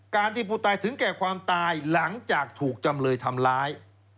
ที่ผู้ตายถึงแก่ความตายหลังจากถูกจำเลยทำร้าย